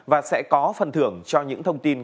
và sẽ có phần thưởng cho những thông tin